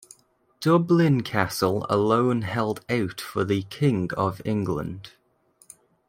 Dublin Castle alone held out for the King of England.